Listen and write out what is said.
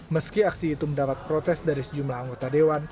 meski aksi itu mendapat protes dari sejumlah anggota dewan